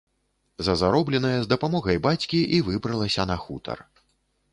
За заробленае з дапамогай бацькі і выбралася на хутар.